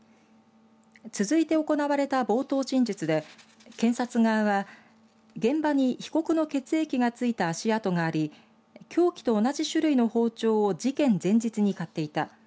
続いて行われた冒頭陳述で検察側は現場に被告の血液が付いた足跡があり凶器と同じ種類の包丁を事件前日に買っていた。